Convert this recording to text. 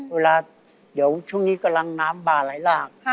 เวลาเดี๋ยวช่วงนี้กำลังน้ำบาไหลลาก